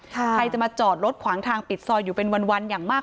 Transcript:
ใครจะมาจอดรถขวางทางปิดซอยอยู่เป็นวันอย่างมาก